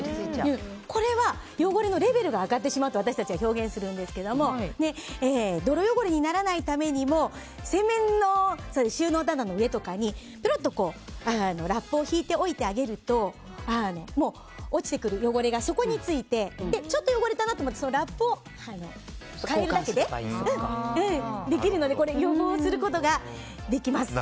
これは汚れのレベルが上がってしまうと私たちは表現するんですけども泥汚れにならないためにも洗面所の収納棚の上とかにぺろっとラップを引いておいてあげると落ちてくる汚れがそこについてちょっと汚れたなと思ったらラップを替えるだけで予防することができます。